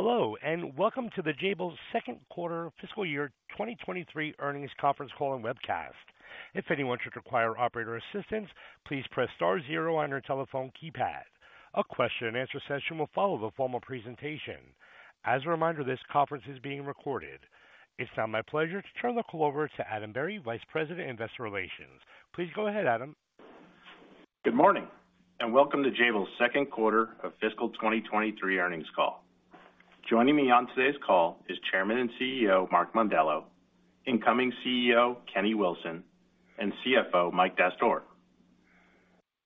Hello, welcome to Jabil's second quarter fiscal year 2023 earnings conference call and webcast. If anyone should require operator assistance, please press star zero on your telephone keypad. A question-and-answer session will follow the formal presentation. As a reminder, this conference is being recorded. It's now my pleasure to turn the call over to Adam Berry, Vice President, Investor Relations. Please go ahead, Adam. Good morning, and welcome to Jabil's second quarter of fiscal 2023 earnings call. Joining me on today's call is Chairman and CEO, Mark Mondello, Incoming CEO, Kenny Wilson, and CFO, Mike Dastoor.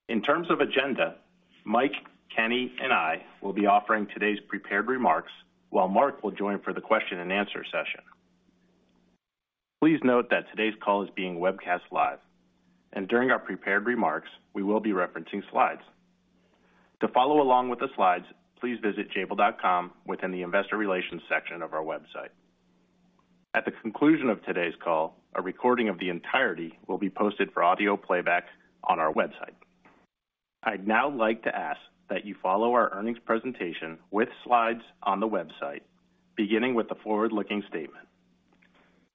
In terms of agenda, Mike, Kenny, and I will be offering today's prepared remarks, while Mark will join for the question-and-answer session. Please note that today's call is being webcast live, and during our prepared remarks, we will be referencing slides. To follow along with the slides, please visit jabil.com within the Investor Relations section of our website. At the conclusion of today's call, a recording of the entirety will be posted for audio playback on our website. I'd now like to ask that you follow our earnings presentation with slides on the website, beginning with the forward-looking statement.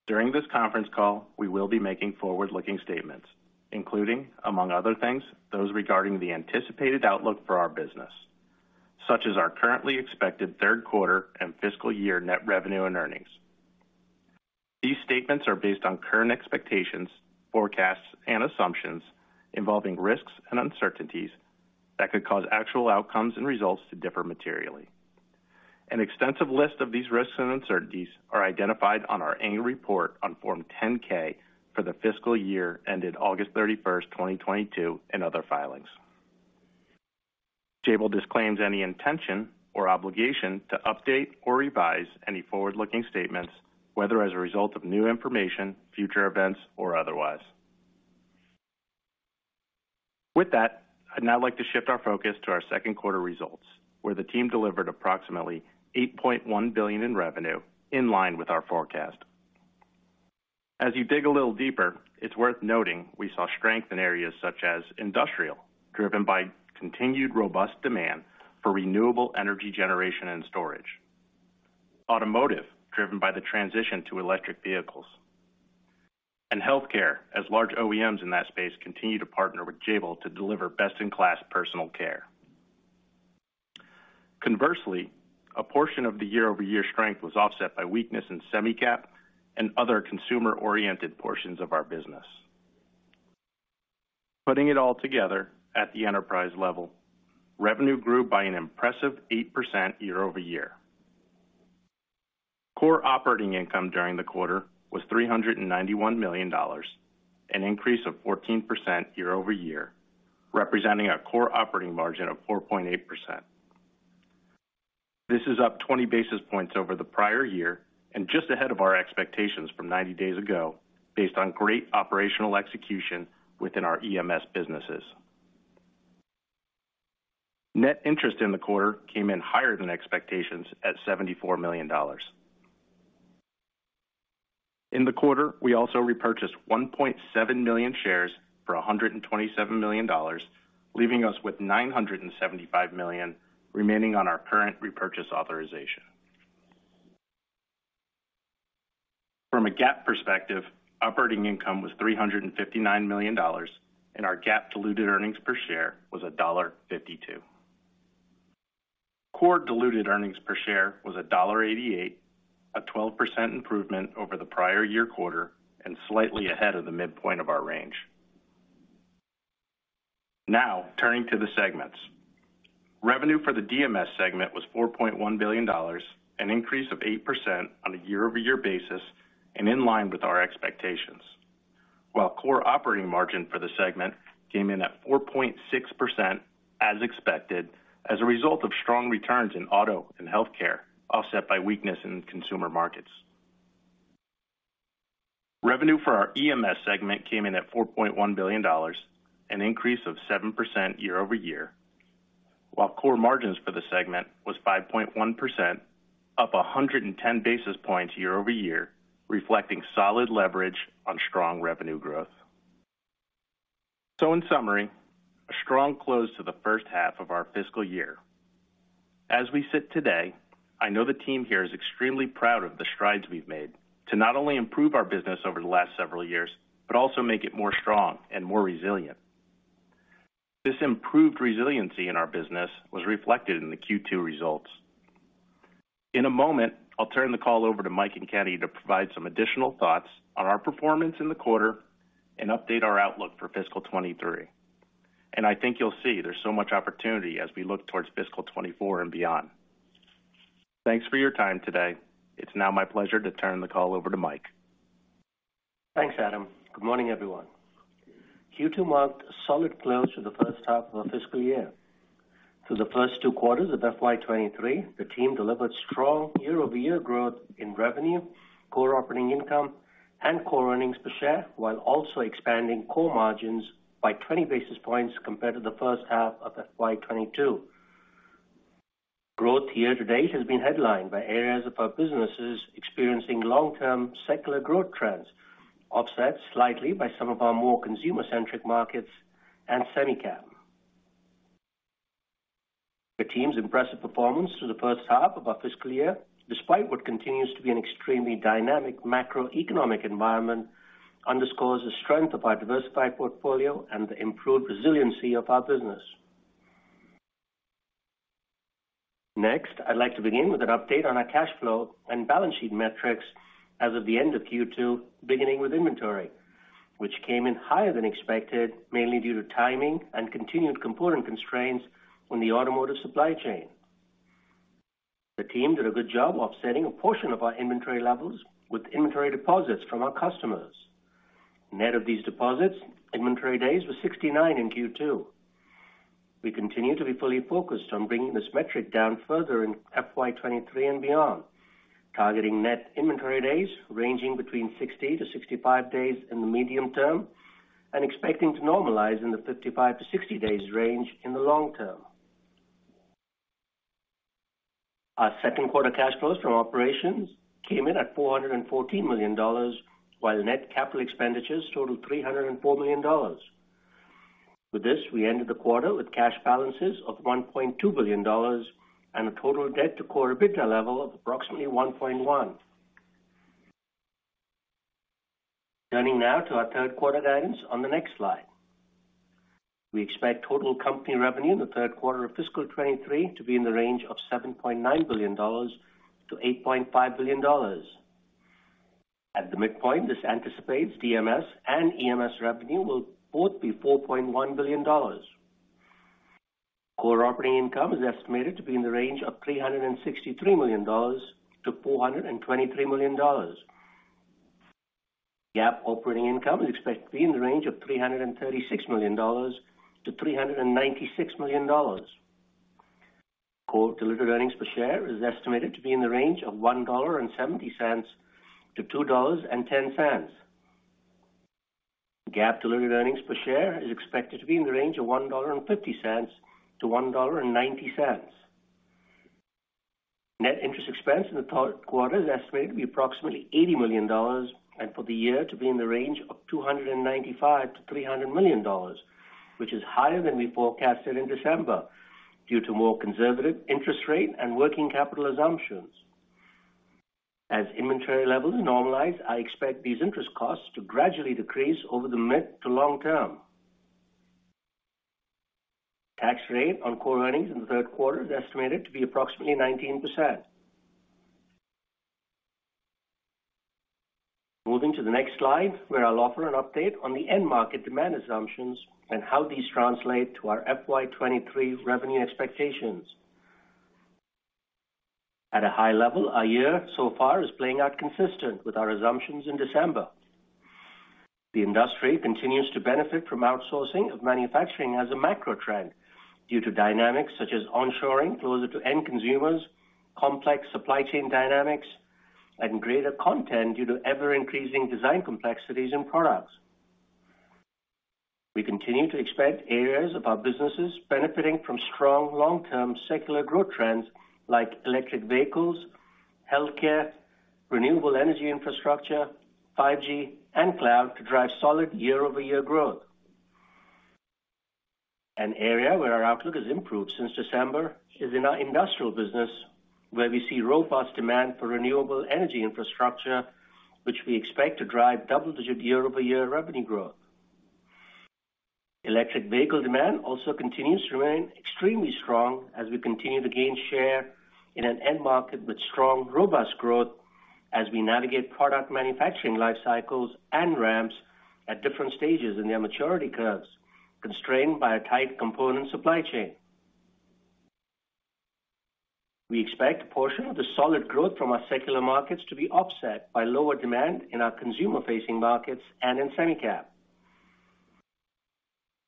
During this conference call, we will be making forward-looking statements, including, among other things, those regarding the anticipated outlook for our business, such as our currently expected third quarter and fiscal year net revenue and earnings. These statements are based on current expectations, forecasts, and assumptions involving risks and uncertainties that could cause actual outcomes and results to differ materially. An extensive list of these risks and uncertainties are identified on our annual report on Form 10-K for the fiscal year ended August 31, 2022, and other filings. Jabil disclaims any intention or obligation to update or revise any forward-looking statements, whether as a result of new information, future events, or otherwise. With that, I'd now like to shift our focus to our second quarter results, where the team delivered approximately $8.1 billion in revenue in line with our forecast. As you dig a little deeper, it's worth noting we saw strength in areas such as Industrial, driven by continued robust demand for renewable energy generation and storage. Automotive, driven by the transition to electric vehicles. Healthcare, as large OEMs in that space continue to partner with Jabil to deliver best-in-class personal care. Conversely, a portion of the year-over-year strength was offset by weakness in Semi-Cap and other consumer-oriented portions of our business. Putting it all together at the enterprise level, revenue grew by an impressive 8% year-over-year. Core operating income during the quarter was $391 million, an increase of 14% year-over-year, representing a core operating margin of 4.8%. This is up 20 basis points over the prior year and just ahead of our expectations from 90 days ago based on great operational execution within our EMS businesses. Net interest in the quarter came in higher than expectations at $74 million. In the quarter, we also repurchased 1.7 million shares for $127 million, leaving us with $975 million remaining on our current repurchase authorization. From a GAAP perspective, operating income was $359 million, and our GAAP diluted earnings per share was $1.52. Core diluted earnings per share was $1.88, a 12% improvement over the prior year quarter and slightly ahead of the midpoint of our range. Turning to the segments. Revenue for the DMS segment was $4.1 billion, an increase of 8% on a year-over-year basis and in line with our expectations. While core operating margin for the segment came in at 4.6% as expected, as a result of strong returns in auto and Healthcare, offset by weakness in consumer markets. Revenue for our EMS segment came in at $4.1 billion, an increase of 7% year-over-year. Core margins for the segment was 5.1%, up 110 basis points year-over-year, reflecting solid leverage on strong revenue growth. In summary, a strong close to the first half of our fiscal year. As we sit today, I know the team here is extremely proud of the strides we've made to not only improve our business over the last several years but also make it more strong and more resilient. This improved resiliency in our business was reflected in the Q2 results. In a moment, I'll turn the call over to Mike and Kenny to provide some additional thoughts on our performance in the quarter and update our outlook for fiscal 2023. I think you'll see there's so much opportunity as we look towards fiscal 24 and beyond. Thanks for your time today. It's now my pleasure to turn the call over to Mike. Thanks, Adam. Good morning, everyone. Q2 marked a solid close to the first half of the fiscal year. Through the first two quarters of FY 2023, the team delivered strong year-over-year growth in revenue, core operating income, and core earnings per share, while also expanding core margins by 20 basis points compared to the first half of FY 2022. Growth year-to-date has been headlined by areas of our businesses experiencing long-term secular growth trends, offset slightly by some of our more consumer-centric markets and semi-cap. The team's impressive performance through the first half of our fiscal year, despite what continues to be an extremely dynamic macroeconomic environment, underscores the strength of our diversified portfolio and the improved resiliency of our business. Next, I'd like to begin with an update on our cash flow and balance sheet metrics as of the end of Q2, beginning with inventory, which came in higher than expected, mainly due to timing and continued component constraints on the Automotive supply chain. The team did a good job offsetting a portion of our inventory levels with inventory deposits from our customers. Net of these deposits, inventory days was 69 in Q2. We continue to be fully focused on bringing this metric down further in FY 2023 and beyond, targeting net inventory days ranging between 60-65 days in the medium term, and expecting to normalize in the 55-60 days range in the long term. Our second quarter cash flows from operations came in at $414 million, while net capital expenditures totaled $304 million. With this, we ended the quarter with cash balances of $1.2 billion and a total debt to core EBITDA level of approximately 1.1. Turning now to our third quarter guidance on the next slide. We expect total company revenue in the third quarter of fiscal 2023 to be in the range of $7.9 billion-$8.5 billion. At the midpoint, this anticipates DMS and EMS revenue will both be $4.1 billion. Core operating income is estimated to be in the range of $363 million-$423 million. GAAP operating income is expected to be in the range of $336 million-$396 million. Core diluted earnings per share is estimated to be in the range of $1.70-$2.10. GAAP diluted earnings per share is expected to be in the range of $1.50-$1.90. Net interest expense in the third quarter is estimated to be approximately $80 million, and for the year to be in the range of $295 million-$300 million, which is higher than we forecasted in December due to more conservative interest rate and working capital assumptions. As inventory levels normalize, I expect these interest costs to gradually decrease over the mid to long term. Tax rate on core earnings in the third quarter is estimated to be approximately 19%. Moving to the next slide, where I'll offer an update on the end market demand assumptions and how these translate to our FY 2023 revenue expectations. At a high level, our year so far is playing out consistent with our assumptions in December. The industry continues to benefit from outsourcing of manufacturing as a macro trend due to dynamics such as onshoring closer to end consumers, complex supply chain dynamics, and greater content due to ever-increasing design complexities in products. We continue to expect areas of our businesses benefiting from strong long-term secular growth trends like electric vehicles, Healthcare, renewable energy infrastructure, 5G, and cloud to drive solid year-over-year growth. An area where our outlook has improved since December is in our Industrial business, where we see robust demand for renewable energy infrastructure, which we expect to drive double-digit year-over-year revenue growth. Electric vehicle demand also continues to remain extremely strong as we continue to gain share in an end market with strong, robust growth as we navigate product manufacturing life cycles and ramps at different stages in their maturity curves, constrained by a tight component supply chain. We expect a portion of the solid growth from our secular markets to be offset by lower demand in our consumer-facing markets and in Semi-Cap.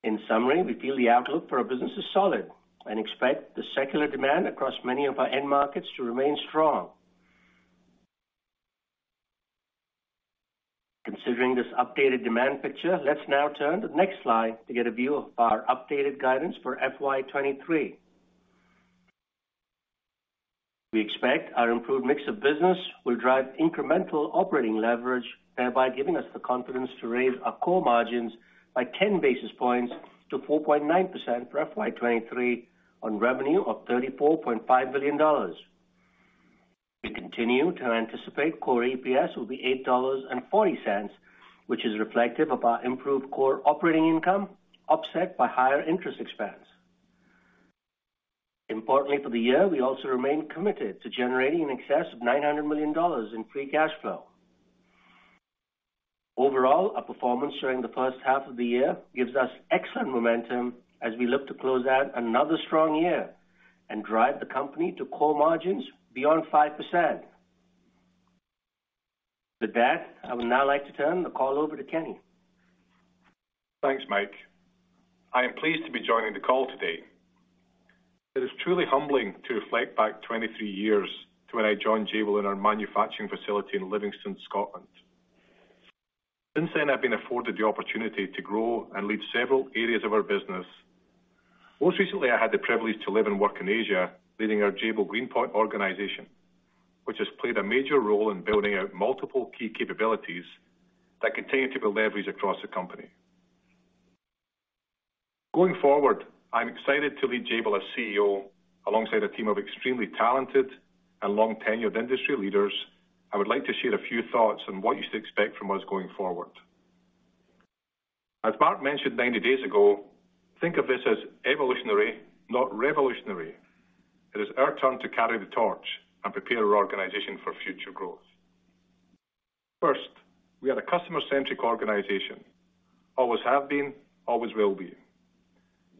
In summary, we feel the outlook for our business is solid and expect the secular demand across many of our end markets to remain strong. Considering this updated demand picture, let's now turn to the next slide to get a view of our updated guidance for FY 2023. We expect our improved mix of business will drive incremental operating leverage, thereby giving us the confidence to raise our core margins by 10 basis points to 4.9% for FY 2023 on revenue of $34.5 billion. We continue to anticipate core EPS will be $8.40, which is reflective of our improved core operating income, offset by higher interest expense. Importantly for the year, we also remain committed to generating in excess of $900 million in free cash flow. Overall, our performance during the first half of the year gives us excellent momentum as we look to close out another strong year and drive the company to core margins beyond 5%. With that, I would now like to turn the call over to Kenny. Thanks, Mike. I am pleased to be joining the call today. It is truly humbling to reflect back 23 years to when I joined Jabil in our manufacturing facility in Livingston, Scotland. Since then, I've been afforded the opportunity to grow and lead several areas of our business. Most recently, I had the privilege to live and work in Asia, leading our Jabil Green Point organization. Which has played a major role in building out multiple key capabilities that continue to be leveraged across the company. Going forward, I'm excited to lead Jabil as CEO alongside a team of extremely talented and long tenured industry leaders. I would like to share a few thoughts on what you should expect from us going forward. As Mark mentioned 90 days ago, think of this as evolutionary, not revolutionary. It is our turn to carry the torch and prepare our organization for future growth. First, we are a customer-centric organization. Always have been, always will be.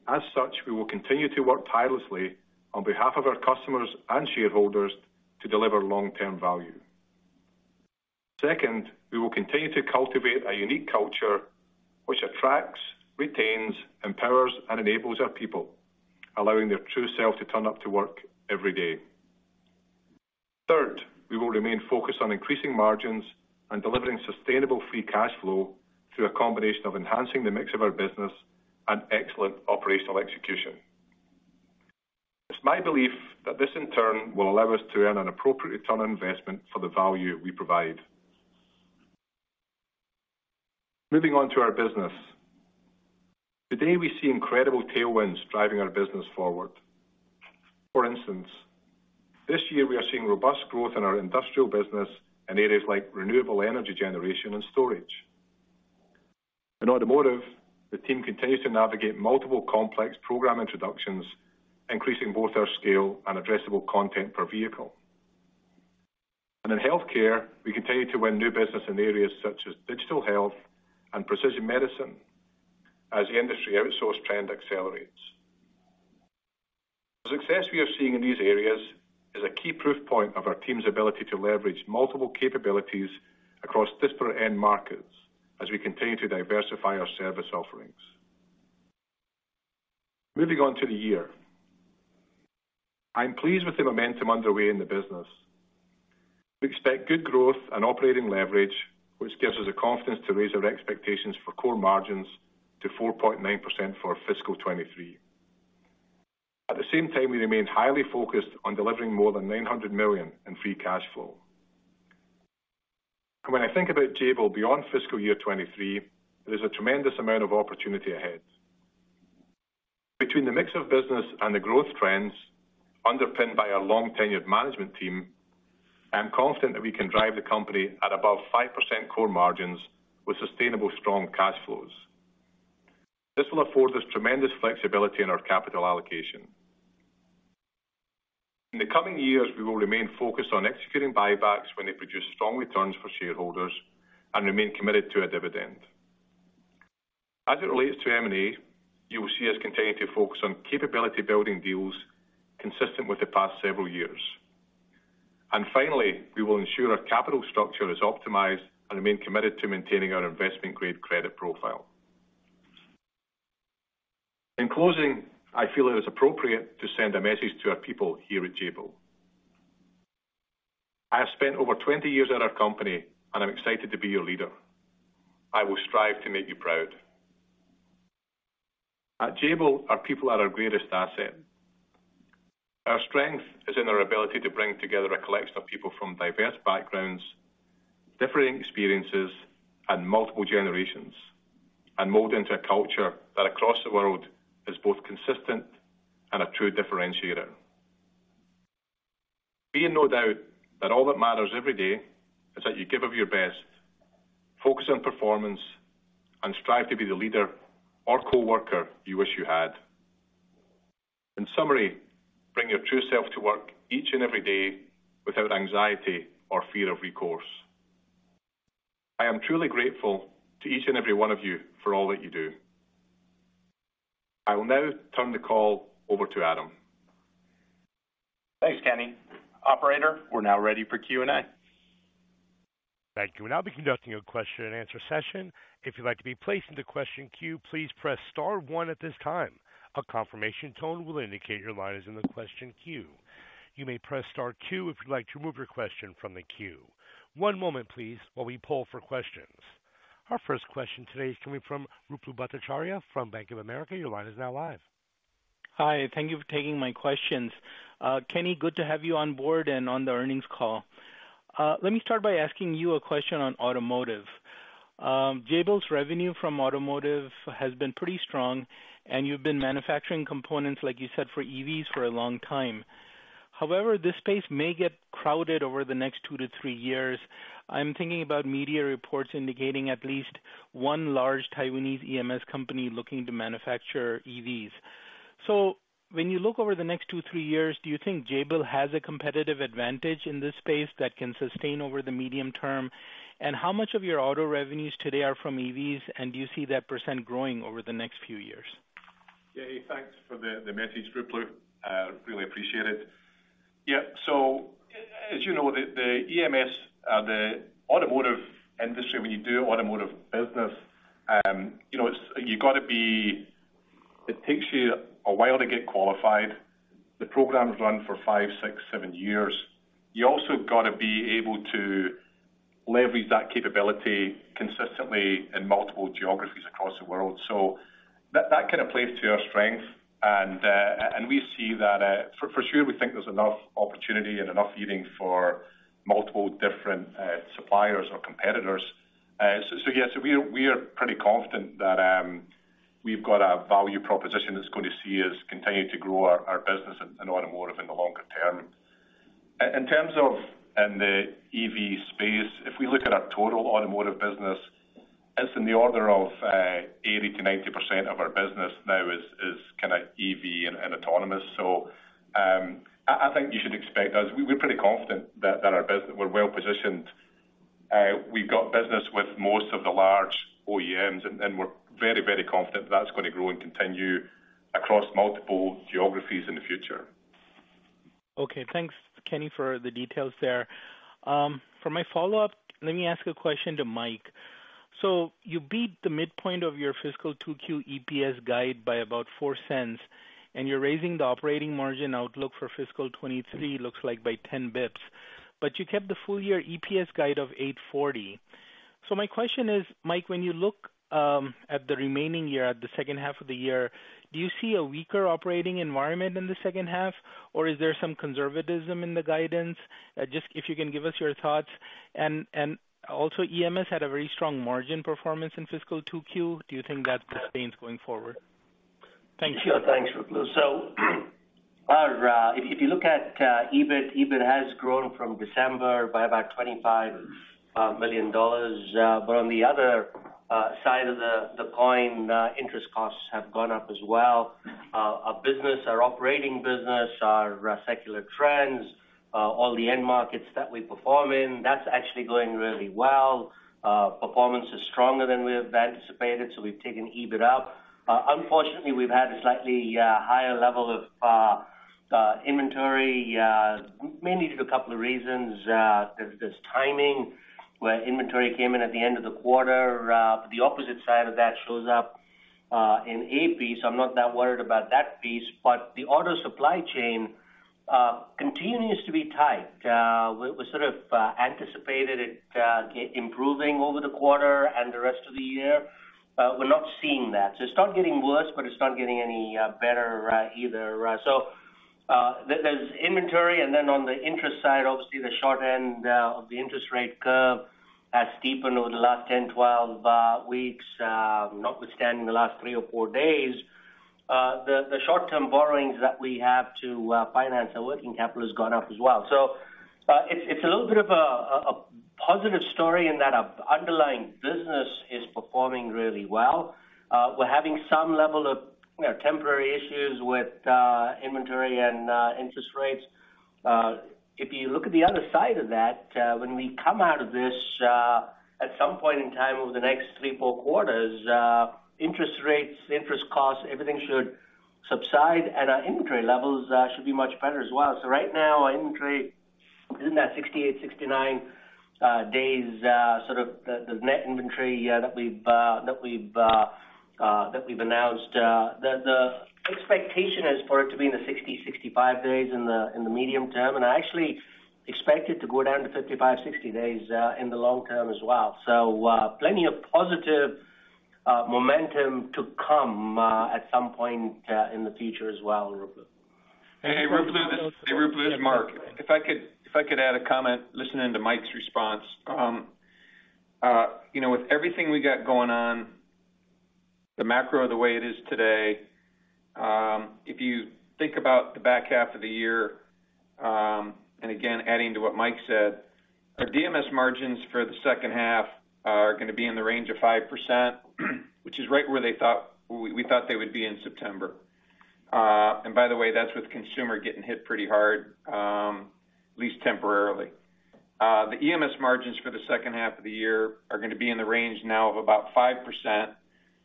As such, we will continue to work tirelessly on behalf of our customers and shareholders to deliver long-term value. Second, we will continue to cultivate a unique culture which attracts, retains, empowers, and enables our people, allowing their true self to turn up to work every day. Third, we will remain focused on increasing margins and delivering sustainable free cash flow through a combination of enhancing the mix of our business and excellent operational execution. It's my belief that this in turn will allow us to earn an appropriate return on investment for the value we provide. Moving on to our business. Today we see incredible tailwinds driving our business forward. For instance, this year we are seeing robust growth in our Industrial business in areas like renewable energy generation and storage. In Automotive, the team continues to navigate multiple complex program introductions, increasing both our scale and addressable content per vehicle. In Healthcare, we continue to win new business in areas such as digital health and precision medicine as the industry outsource trend accelerates. The success we are seeing in these areas is a key proof point of our team's ability to leverage multiple capabilities across disparate end markets as we continue to diversify our service offerings. Moving on to the year. I am pleased with the momentum underway in the business. We expect good growth and operating leverage, which gives us the confidence to raise our expectations for core margins to 4.9% for fiscal 2023. At the same time, we remain highly focused on delivering more than $900 million in free cash flow. When I think about Jabil beyond fiscal year 2023, there's a tremendous amount of opportunity ahead. Between the mix of business and the growth trends underpinned by our long tenured management team, I am confident that we can drive the company at above 5% core margins with sustainable strong cash flows. This will afford us tremendous flexibility in our capital allocation. In the coming years, we will remain focused on executing buybacks when they produce strong returns for shareholders and remain committed to our dividend. As it relates to M&A, you will see us continue to focus on capability building deals consistent with the past several years. Finally, we will ensure our capital structure is optimized and remain committed to maintaining our investment-grade credit profile. In closing, I feel it is appropriate to send a message to our people here at Jabil. I have spent over 20 years at our company, and I'm excited to be your leader. I will strive to make you proud. At Jabil, our people are our greatest asset. Our strength is in our ability to bring together a collection of people from diverse backgrounds, differing experiences, and multiple generations, and mold into a culture that across the world is both consistent and a true differentiator. Be in no doubt that all that matters every day is that you give of your best, focus on performance, and strive to be the leader or coworker you wish you had. In summary, bring your true self to work each and every day without anxiety or fear of recourse. I am truly grateful to each and every one of you for all that you do. I will now turn the call over to Adam. Thanks, Kenny. Operator, we're now ready for Q&A. Thank you. We'll now be conducting a question-and-answer session. If you'd like to be placed in the question queue, please press star one at this time. A confirmation tone will indicate your line is in the question queue. You may press star two if you'd like to remove your question from the queue. One moment please while we poll for questions. Our first question today is coming from Ruplu Bhattacharya from Bank of America. Your line is now live. Hi, thank you for taking my questions. Kenny, good to have you on board and on the earnings call. Let me start by asking you a question on Automotive. Jabil's revenue from Automotive has been pretty strong, and you've been manufacturing components, like you said, for EVs for a long time. However, this space may get crowded over the next two to three years. I'm thinking about media reports indicating at least one large Taiwanese EMS company looking to manufacture EVs. When you look over the next two, three years, do you think Jabil has a competitive advantage in this space that can sustain over the medium term? How much of your auto revenues today are from EVs, and do you see that percent growing over the next few years? Yeah, thanks for the message, Ruplu. Really appreciate it. Yeah. As you know, the EMS, the Automotive industry, when you do Automotive business, you know, it takes you a while to get qualified. The programs run for five, six, seven years. You also gotta be able to leverage that capability consistently in multiple geographies across the world. That kind of plays to our strength. We see that for sure, we think there's enough opportunity and enough heating for multiple different suppliers or competitors. Yes, we are pretty confident that we've got a value proposition that's going to see us continue to grow our business in Automotive in the longer term. In terms of in the EV space, if we look at our total Automotive business, it's in the order of 80%-90% of our business now is kinda EV and autonomous. I think you should expect us. We're pretty confident that we're well positioned. We've got business with most of the large OEMs, and we're very, very confident that's gonna grow and continue across multiple geographies in the future. Okay. Thanks, Kenny, for the details there. For my follow-up, let me ask a question to Mike. You beat the midpoint of your fiscal 2Q EPS guide by about $0.04, and you're raising the operating margin outlook for fiscal 2023, looks like by 10 basis points. You kept the full year EPS guide of $8.40. My question is, Mike, when you look at the remaining year, at the second half of the year, do you see a weaker operating environment in the second half, or is there some conservatism in the guidance? Just if you can give us your thoughts. Also, EMS had a very strong margin performance in fiscal 2Q. Do you think that sustains going forward? Thank you. Sure. Thanks, Ruplu. If you look at EBIT has grown from December by about $25 million. On the other side of the coin, interest costs have gone up as well. Our business, our operating business, our secular trends, all the end markets that we perform in, that's actually going really well. Performance is stronger than we have anticipated, so we've taken EBIT up. Unfortunately, we've had a slightly higher level of inventory, mainly due to a couple of reasons. There's timing, where inventory came in at the end of the quarter. The opposite side of that shows up in AP, so I'm not that worried about that piece. The auto supply chain continues to be tight. We, we sort of anticipated it improving over the quarter and the rest of the year. We're not seeing that. It's not getting worse, but it's not getting any better either. There's inventory. On the interest side, obviously, the short end of the interest rate curve has steepened over the last 10, 12 weeks, notwithstanding the last three or four days. The short-term borrowings that we have to finance our working capital has gone up as well. It's a little bit of a positive story in that our underlying business is performing really well. We're having some level of, you know, temporary issues with inventory and interest rates. If you look at the other side of that, when we come out of this, at some point in time over the next three, four quarters, interest rates, interest costs, everything should subside, and our inventory levels should be much better as well. Right now, our inventory is in that 68, 69 days, sort of the net inventory that we've that we've announced. The expectation is for it to be in the 60, 65 days in the medium term. And I actually expect it to go down to 55, 60 days in the long term as well. So, plenty of positive momentum to come at some point in the future as well, Ruplu. Hey, Ruplu. This is Mark. If I could add a comment, listening to Mike's response. you know, with everything we got going on, the macro the way it is today, if you think about the back half of the year, Again, adding to what Mike said, our DMS margins for the second half are gonna be in the range of 5%, which is right where we thought they would be in September. By the way, that's with consumer getting hit pretty hard, at least temporarily. The EMS margins for the second half of the year are gonna be in the range now of about 5%,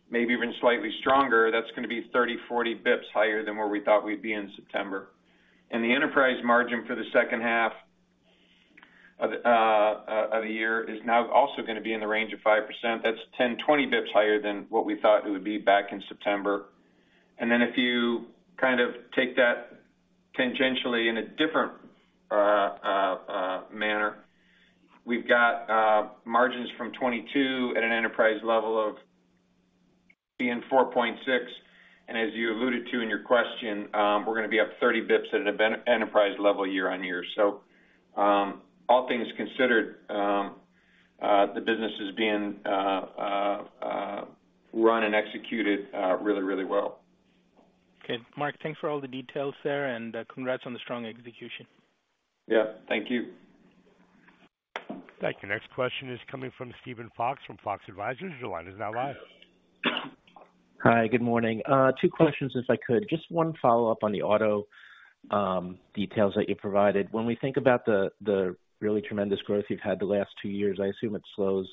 maybe even slightly stronger. That's gonna be 30, 40 basis points higher than where we thought we'd be in September. The enterprise margin for the second half of the year is now also gonna be in the range of 5%. That's 10, 20 basis points higher than what we thought it would be back in September. If you kind of take that tangentially in a different manner, we've got margins from 2022 at an enterprise level of being 4.6. As you alluded to in your question, we're gonna be up 30 basis points at an enterprise level year-on-year. All things considered, the business is being run and executed really well. Okay. Mark, thanks for all the details there, and congrats on the strong execution. Yeah. Thank you. Thank you. Next question is coming from Steven Fox from Fox Advisors. Your line is now live. Hi. Good morning. Two questions, if I could. Just one follow-up on the auto details that you provided. When we think about the really tremendous growth you've had the last two years, I assume it slows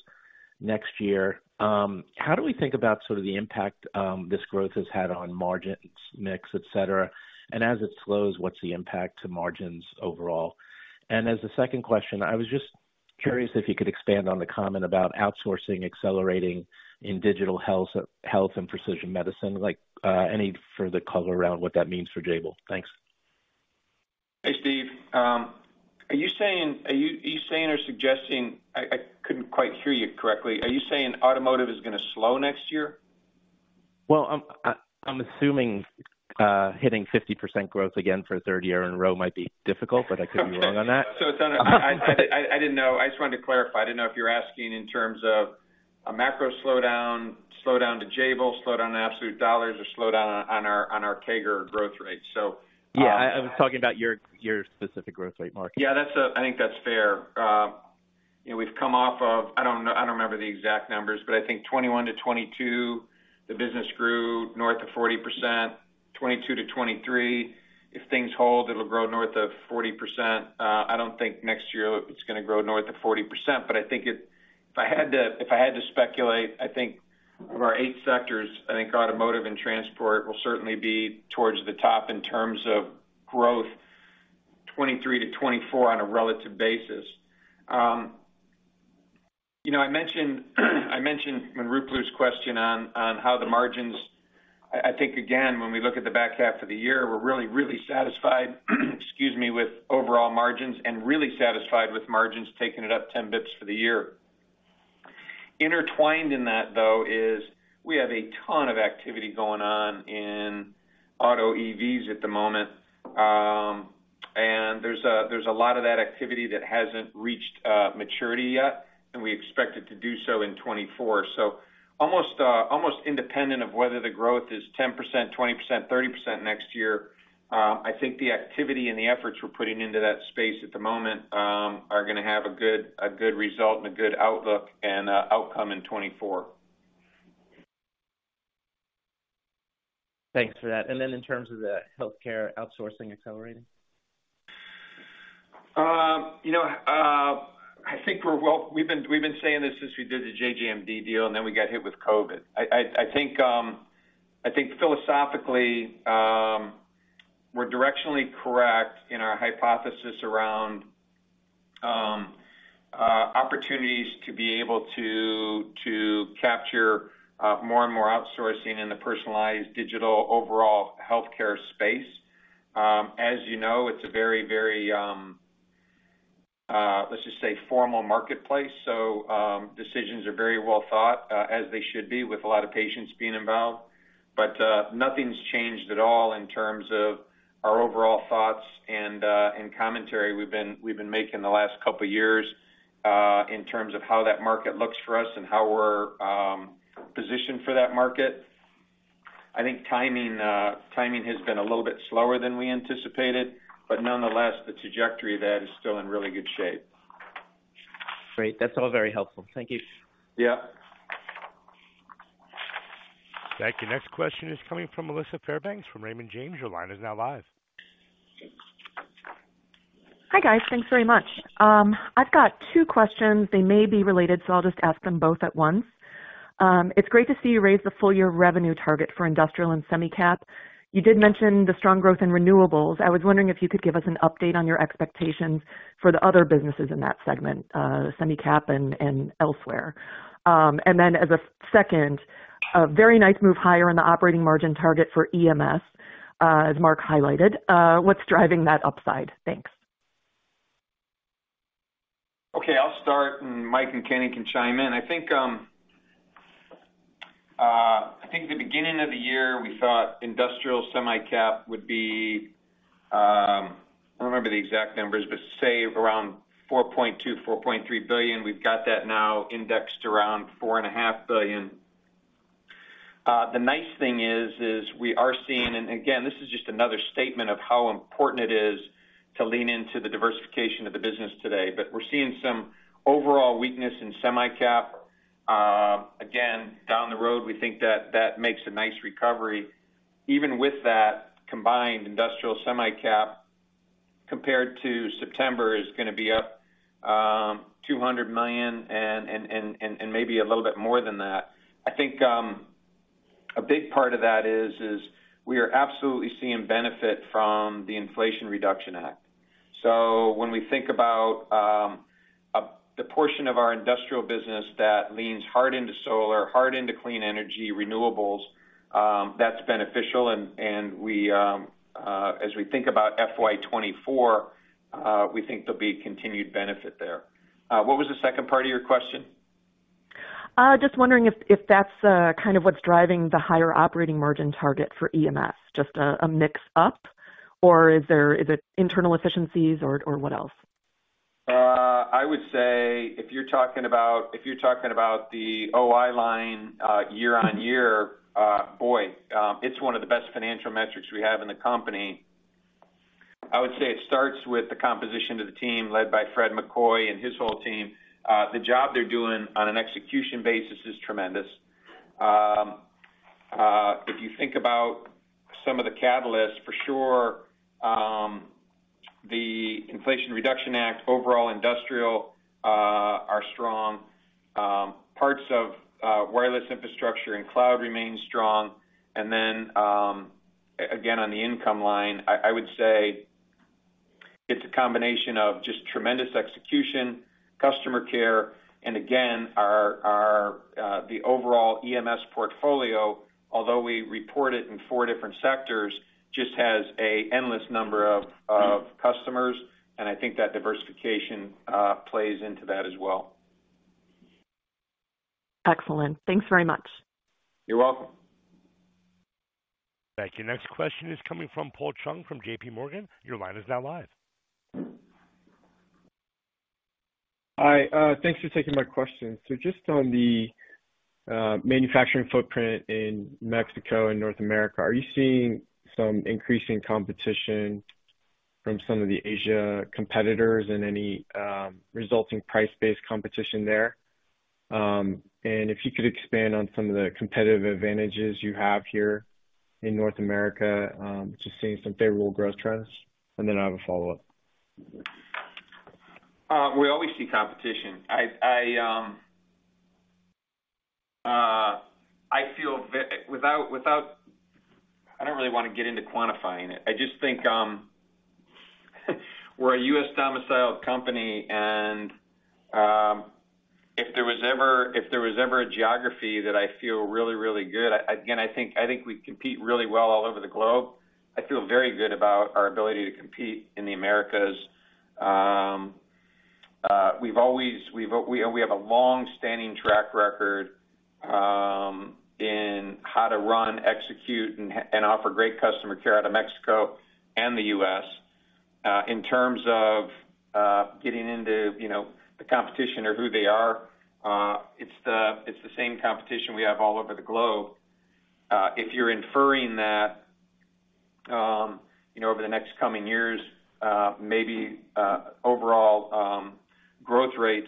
next year. How do we think about sort of the impact this growth has had on margins, mix, et cetera? As it slows, what's the impact to margins overall? As a second question, I was just curious if you could expand on the comment about outsourcing accelerating in digital health and precision medicine. Like, any further color around what that means for Jabil? Thanks. Hey, Steve. Are you saying or suggesting... I couldn't quite hear you correctly. Are you saying Automotive is gonna slow next year? Well, I'm assuming, hitting 50% growth again for a third year in a row might be difficult. I could be wrong on that. I didn't know. I just wanted to clarify. I didn't know if you were asking in terms of a macro slowdown to Jabil, slowdown in absolute dollars or slowdown on our CAGR growth rate. Yeah, I was talking about your specific growth rate, Mark. Yeah, that's a, I think that's fair. you know, we've come off of... I don't remember the exact numbers, but I think 2021 to 2022, the business grew north of 40%. 2022 to 2023, if things hold, it'll grow north of 40%. I don't think next year it's gonna grow north of 40%, but I think if I had to speculate, I think of our eight sectors, I think Automotive and transport will certainly be towards the top in terms of growth, 2023 to 2024 on a relative basis. you know, I mentioned when Ruplu's question on how the margins... I think again, when we look at the back half of the year, we're really satisfied, excuse me, with overall margins and really satisfied with margins taking it up 10 basis points for the year. Intertwined in that, though, is we have a ton of activity going on in auto EVs at the moment. There's a lot of that activity that hasn't reached maturity yet, and we expect it to do so in 2024. Almost independent of whether the growth is 10%, 20%, 30% next year, I think the activity and the efforts we're putting into that space at the moment are gonna have a good result and a good outlook and outcome in 2024. Thanks for that. In terms of the Healthcare outsourcing accelerating? You know, I think we've been saying this since we did the JJMD deal, and then we got hit with COVID. I think philosophically, we're directionally correct in our hypothesis around opportunities to be able to capture more and more outsourcing in the personalized digital overall Healthcare space. As you know, it's a very, very, let's just say, formal marketplace. Decisions are very well thought, as they should be with a lot of patients being involved. Nothing's changed at all in terms of our overall thoughts and commentary we've been making the last couple of years, in terms of how that market looks for us and how we're positioned for that market. I think timing has been a little bit slower than we anticipated, but nonetheless, the trajectory of that is still in really good shape. Great. That's all very helpful. Thank you. Yeah. Thank you. Next question is coming from Melissa Fairbanks from Raymond James. Your line is now live. Hi, guys. Thanks very much. I've got two questions. They may be related, so I'll just ask them both at once. It's great to see you raise the full year revenue target for Industrial and Semi-Cap. You did mention the strong growth in renewables. I was wondering if you could give us an update on your expectations for the other businesses in that segment, Semi-Cap and elsewhere. Then as a second, a very nice move higher on the operating margin target for EMS, as Mark highlighted. What's driving that upside? Thanks. Okay, I'll start and Mike and Kenny can chime in. I think, I think the beginning of the year we thought Industrial, Semi-Cap would be, I don't remember the exact numbers but say around $4.2 billion-$4.3 billion. We've got that now indexed around four and a half billion. The nice thing is we are seeing... Again, this is just another statement of how important it is to lean into the diversification of the business today. We're seeing some overall weakness in Semi-Cap. Again, down the road, we think that that makes a nice recovery. Even with that combined Industrial, Semi-Cap compared to September is gonna be up $200 million and maybe a little bit more than that. I think, a big part of that is we are absolutely seeing benefit from the Inflation Reduction Act. When we think about the portion of our Industrial business that leans hard into solar, hard into clean energy renewables, that's beneficial. We as we think about FY 2024, we think there'll be continued benefit there. What was the second part of your question? Just wondering if that's, kind of what's driving the higher operating margin target for EMS, just a mix up, or is it internal efficiencies or what else? I would say if you're talking about the OI line year-on-year, it's one of the best financial metrics we have in the company. I would say it starts with the composition of the team led by Fred McCoy and his whole team. The job they're doing on an execution basis is tremendous. If you think about some of the catalysts, for sure, the Inflation Reduction Act, overall Industrial, are strong. Parts of wireless infrastructure and cloud remain strong. Again, on the income line, I would say it's a combination of just tremendous execution, customer care. Again, our, the overall EMS portfolio, although we report it in four different sectors, just has a endless number of customers, and I think that diversification plays into that as well. Excellent. Thanks very much. You're welcome. Thank you. Next question is coming from Paul Chung from JPMorgan. Your line is now live. Hi, thanks for taking my question. Just on the manufacturing footprint in Mexico and North America, are you seeing some increasing competition from some of the Asia competitors and any resulting price-based competition there? And if you could expand on some of the competitive advantages you have here in North America, just seeing some favorable growth trends. Then I have a follow-up. We always see competition. I don't really wanna get into quantifying it. I just think, we're a U.S. domiciled company, if there was ever a geography that I feel really, really good, again, I think we compete really well all over the globe. I feel very good about our ability to compete in the Americas. We have a long-standing track record in how to run, execute, and offer great customer care out of Mexico and the U.S. In terms of getting into, you know, the competition or who they are, it's the same competition we have all over the globe. If you're inferring that, you know, over the next coming years, maybe overall growth rates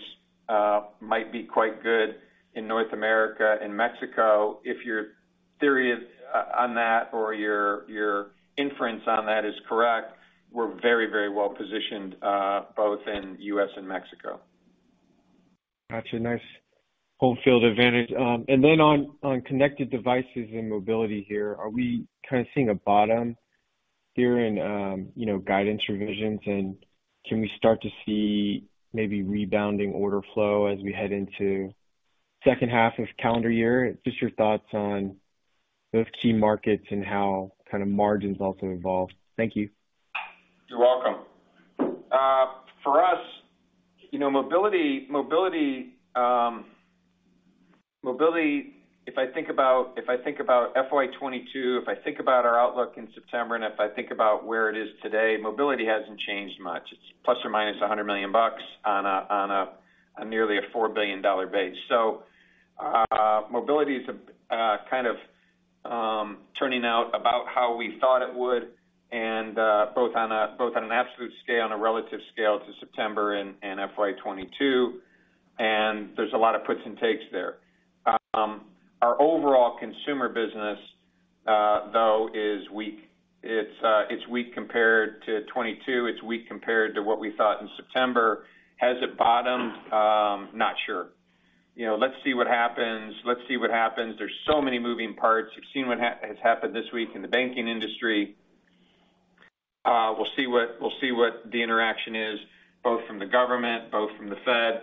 might be quite good in North America and Mexico. If your theory on that or your inference on that is correct, we're very, very well positioned, both in U.S. and Mexico. Got you. Nice home field advantage. On, on connected devices and mobility here, are we kind of seeing a bottom here in, you know, guidance revisions? Can we start to see maybe rebounding order flow as we head into second half of calendar year? Just your thoughts on those key markets and how kind of margins also evolve. Thank you. You're welcome. For us, you know, mobility, if I think about FY 2022, if I think about our outlook in September, and if I think about where it is today, mobility hasn't changed much. It's ±$100 million on a nearly a $4 billion base. Mobility is kind of turning out about how we thought it would and both on an absolute scale and a relative scale to September and FY 2022, and there's a lot of puts and takes there. Our overall consumer business, though, is weak. It's weak compared to 2022. It's weak compared to what we thought in September. Has it bottomed? Not sure. You know, let's see what happens. Let's see what happens. There's so many moving parts. We've seen what has happened this week in the banking industry. We'll see what the interaction is, both from the government, both from the Fed.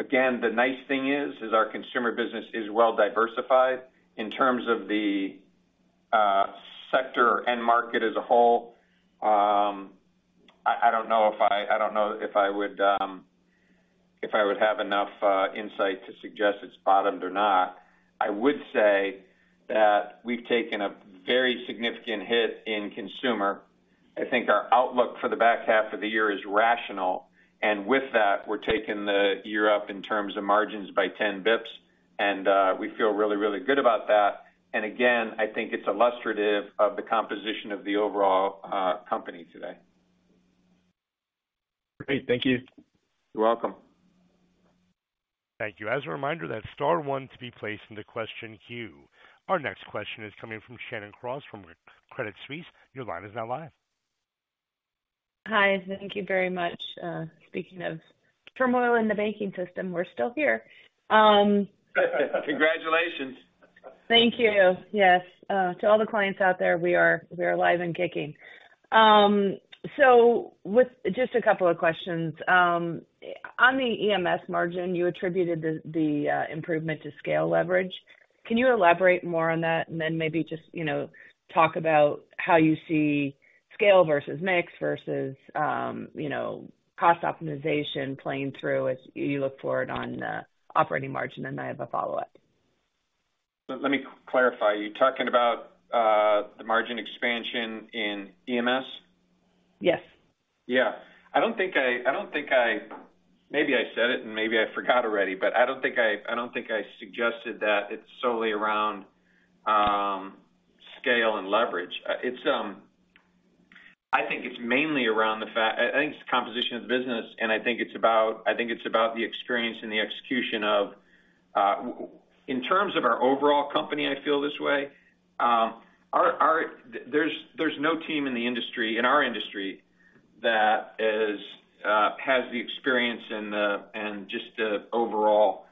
Again, the nice thing is, our consumer business is well diversified in terms of the sector and market as a whole. I don't know if I would have enough insight to suggest it's bottomed or not. I would say that we've taken a very significant hit in consumer. I think our outlook for the back half of the year is rational, and with that, we're taking the year up in terms of margins by 10 basis points, and we feel really good about that. Again, I think it's illustrative of the composition of the overall company today. Great. Thank you. You're welcome. Thank you. As a reminder, that's star one to be placed into question queue. Our next question is coming from Shannon Cross from Credit Suisse. Your line is now live. Hi. Thank you very much. Speaking of turmoil in the banking system, we're still here. Congratulations. Thank you. Yes. to all the clients out there, we are alive and kicking. With just two questions. On the EMS margin, you attributed the improvement to scale leverage. Can you elaborate more on that? Maybe just, you know, talk about how you see scale versus mix versus, you know, cost optimization playing through as you look forward on operating margin, and I have a follow-up. Let me clarify. Are you talking about the margin expansion in EMS? Yes. Yeah. I don't think I. Maybe I said it, and maybe I forgot already, but I don't think I suggested that it's solely around scale and leverage. I think it's mainly around the fact. I think it's composition of the business, and I think it's about, I think it's about the experience and the execution of. In terms of our overall company, I feel this way. Our. There's no team in the industry, in our industry that is, has the experience and just the overall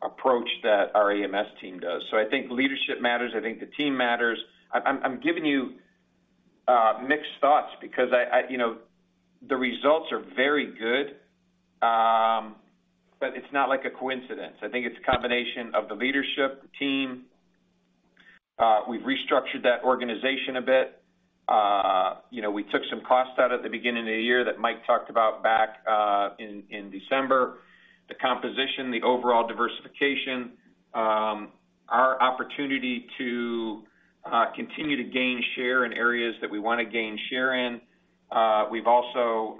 approach that our EMS team does. I think leadership matters. I think the team matters. I'm giving you mixed thoughts because I, you know, the results are very good, but it's not like a coincidence. I think it's a combination of the leadership team. We've restructured that organization a bit. you know, we took some costs out at the beginning of the year that Mike talked about back in December. The composition, the overall diversification, our opportunity to continue to gain share in areas that we wanna gain share in. We've also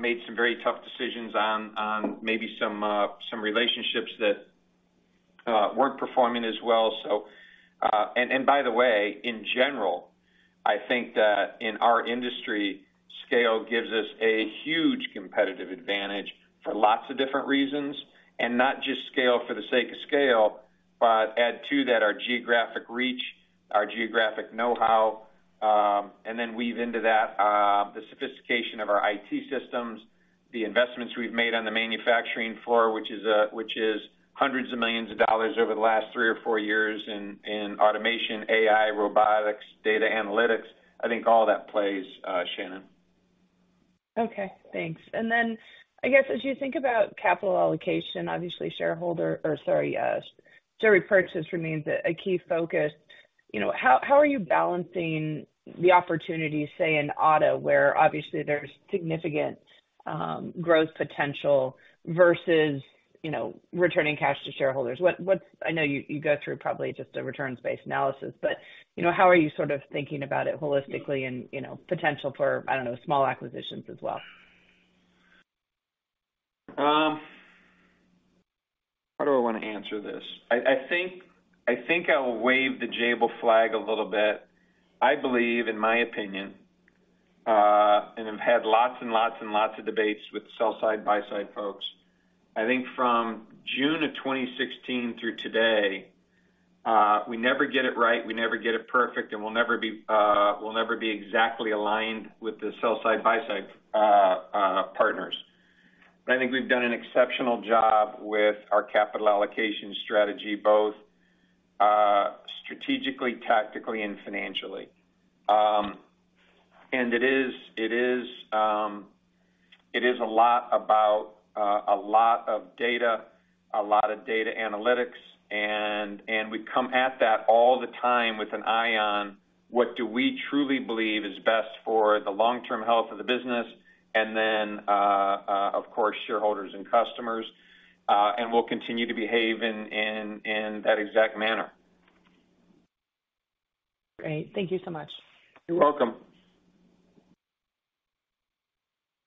made some very tough decisions on maybe some relationships that weren't performing as well, so. And by the way, in general, I think that in our industry, scale gives us a huge competitive advantage for lots of different reasons, and not just scale for the sake of scale, but add to that our geographic reach, our geographic know-how, and then weave into that, the sophistication of our IT systems, the investments we've made on the manufacturing floor, which is hundreds of millions of dollars over the last three or four years in automation, AI, robotics, data analytics. I think all that plays, Shannon. Okay, thanks. Then I guess as you think about capital allocation, obviously shareholder or, sorry, share repurchase remains a key focus. You know, how are you balancing the opportunity, say in auto, where obviously there's significant growth potential versus, you know, returning cash to shareholders? What, I know you go through probably just a returns-based analysis, but, you know, how are you sort of thinking about it holistically and, you know, potential for, I don't know, small acquisitions as well? How do I wanna answer this? I think I'll wave the Jabil flag a little bit. I believe, in my opinion, and have had lots of debates with sell-side, buy-side folks. I think from June of 2016 through today, we never get it right, we never get it perfect, and we'll never be, we'll never be exactly aligned with the sell-side, buy-side partners. I think we've done an exceptional job with our capital allocation strategy, both strategically, tactically, and financially. It is a lot about, a lot of data, a lot of data analytics, and we come at that all the time with an eye on what do we truly believe is best for the long-term health of the business, and then, of course, shareholders and customers, and we'll continue to behave in that exact manner. Great. Thank you so much. You're welcome.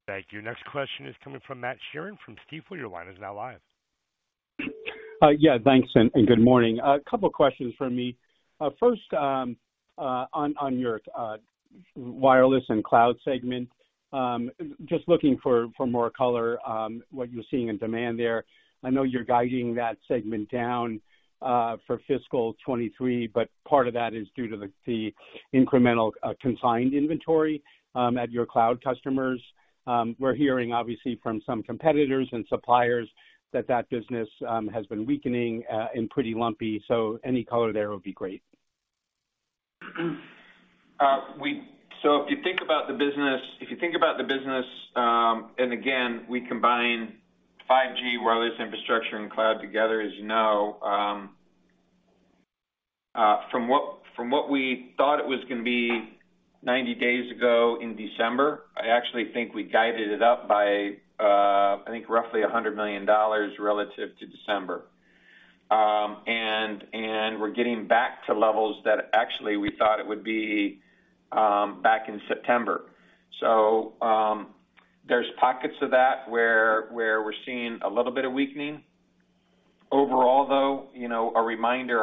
Thank you. Next question is coming from Matt Sheerin from Stifel. Your line is now live. Yeah, thanks and good morning. A couple questions from me. First, on your wireless and cloud segment, just looking for more color, what you're seeing in demand there. I know you're guiding that segment down for fiscal 2023, but part of that is due to the incremental consigned inventory at your cloud customers. We're hearing obviously from some competitors and suppliers that business has been weakening and pretty lumpy. Any color there would be great. t the business, and again, we combine 5G wireless infrastructure and cloud together, as you know, from what we thought it was gonna be 90 days ago in December, I actually think we guided it up by, I think roughly $100 million relative to December. We're getting back to levels that actually we thought it would be, back in September. There's pockets of that where we're seeing a little bit of weakening. Overall, though, you know, a reminder,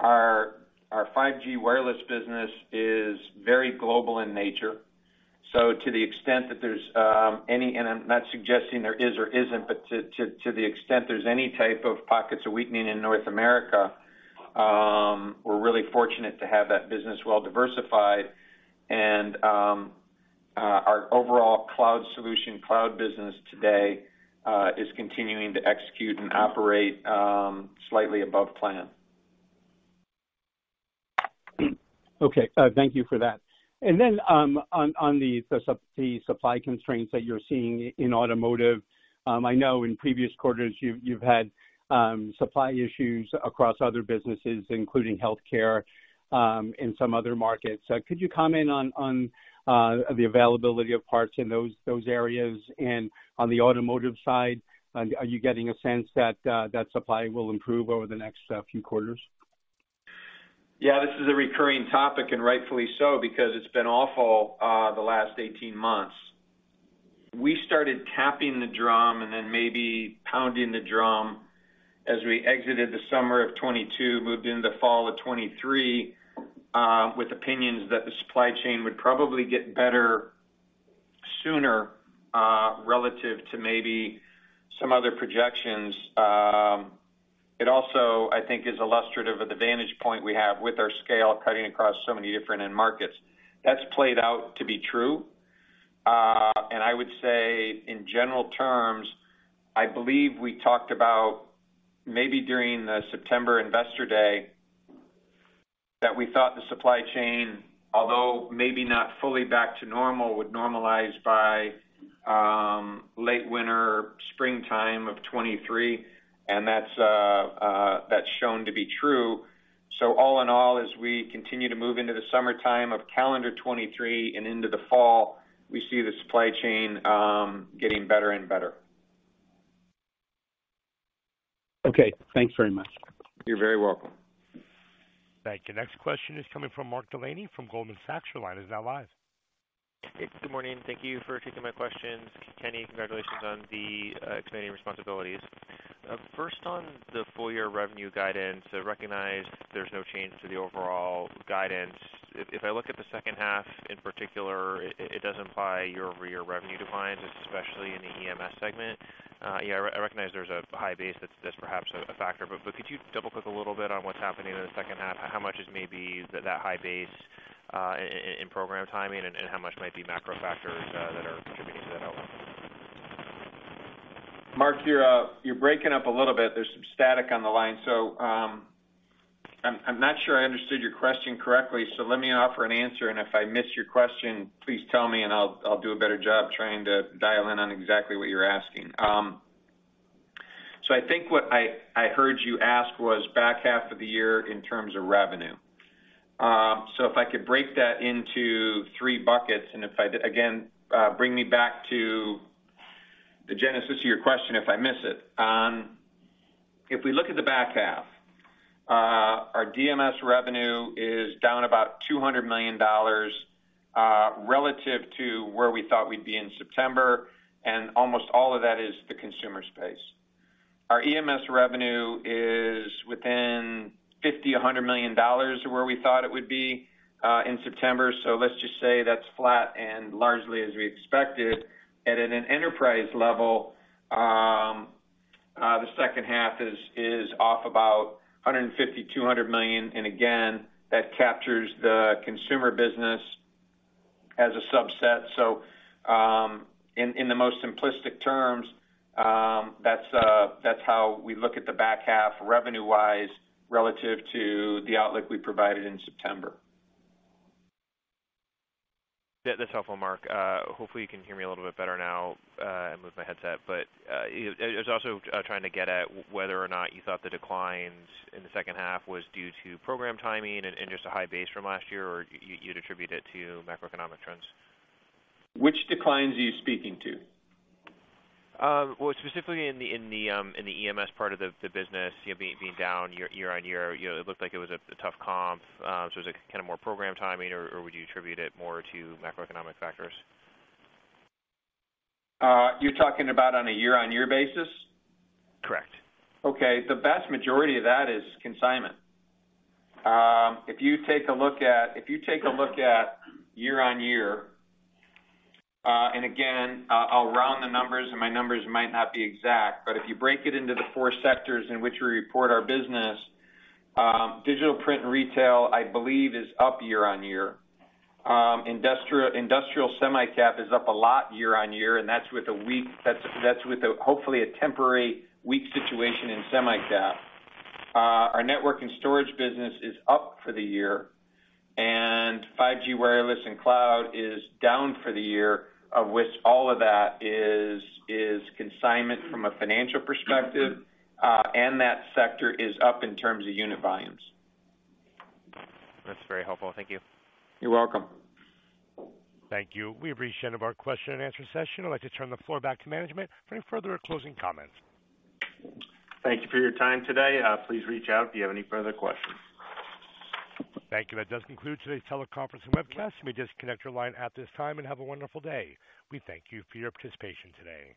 our 5G wireless business is very global in nature. To the extent that there's any, and I'm not suggesting there is or isn't, but to the extent there's any type of pockets of weakening in North America, we're really fortunate to have that business well diversified. Our overall cloud solution, cloud business today, is continuing to execute and operate, slightly above plan. Okay, thank you for that. On the supply constraints that you're seeing in Automotive, I know in previous quarters you've had supply issues across other businesses, including Healthcare, and some other markets. Could you comment on the availability of parts in those areas? On the Automotive side, are you getting a sense that supply will improve over the next few quarters? This is a recurring topic, rightfully so, because it's been awful, the last 18 months. We started tapping the drum maybe pounding the drum as we exited the summer of 2022, moved into fall of 2023, with opinions that the supply chain would probably get better sooner relative to maybe some other projections. It also I think is illustrative of the vantage point we have with our scale cutting across so many different end markets. That's played out to be true. I would say in general terms, I believe we talked about maybe during the September investor day that we thought the supply chain, although maybe not fully back to normal, would normalize by late winter, spring time of 2023, that's shown to be true. All in all, as we continue to move into the summertime of calendar 2023 and into the fall, we see the supply chain getting better and better. Okay. Thanks very much. You're very welcome. Thank you. Next question is coming from Mark Delaney from Goldman Sachs. Your line is now live. Good morning. Thank you for taking my questions. Kenny, congratulations on the expanding responsibilities. First on the full year revenue guidance, I recognize there's no change to the overall guidance. If I look at the second half in particular, it does imply year-over-year revenue declines, especially in the EMS segment. Yeah, I recognize there's a high base that's perhaps a factor, but could you double-click a little bit on what's happening in the second half? How much is maybe that high base in program timing, and how much might be macro factors that are contributing to that outlook? Mark, you're breaking up a little bit. There's some static on the line, I'm not sure I understood your question correctly, so let me offer an answer. If I miss your question, please tell me and I'll do a better job trying to dial in on exactly what you're asking. I think what I heard you ask was back half of the year in terms of revenue. If I could break that into three buckets, and again, bring me back to the genesis of your question if I miss it. If we look at the back half, our DMS revenue is down about $200 million relative to where we thought we'd be in September, and almost all of that is the consumer space. Our EMS revenue is within $50 million-$100 million to where we thought it would be in September. Let's just say that's flat and largely as we expected. At an enterprise level, the second half is off about $150 million-$200 million. Again, that captures the consumer business as a subset. In the most simplistic terms, that's how we look at the back half revenue-wise relative to the outlook we provided in September. Yeah, that's helpful, Mark. Hopefully you can hear me a little bit better now, I moved my headset. I was also trying to get at whether or not you thought the declines in the second half was due to program timing and just a high base from last year, or you'd attribute it to macroeconomic trends? Which declines are you speaking to? Specifically in the EMS part of the business, you know, being down year-on-year, you know, it looked like it was a tough comp. Is it kind of more program timing or would you attribute it more to macroeconomic factors? You're talking about on a year-on-year basis? Correct. Okay. The vast majority of that is consignment. If you take a look at year-on-year, again, I'll round the numbers and my numbers might not be exact, but if you break it into the four sectors in which we report our business, digital print and retail, I believe is up year-on-year. Industrial, Semi-cap is up a lot year-on-year, and that's with a, hopefully, a temporary weak situation in Semi-Cap. Our network and storage business is up for the year, and 5G wireless and cloud is down for the year, of which all of that is consignment from a financial perspective, and that sector is up in terms of unit volumes. That's very helpful. Thank you. You're welcome. Thank you. We've reached the end of our question-and-answer session. I'd like to turn the floor back to management for any further closing comments. Thank you for your time today. Please reach out if you have any further questions. Thank you. That does conclude today's teleconference and webcast. You may disconnect your line at this time and have a wonderful day. We thank you for your participation today.